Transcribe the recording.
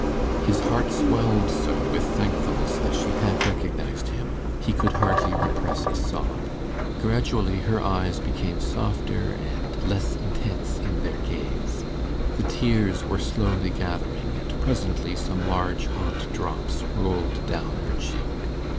His heart swelled so with thankfulness that she had recognized him, he could hardly repress a sob. Gradually her eyes became softer and less intense in their gaze. The tears were slowly gathering, and presently some large hot drops rolled down her cheek.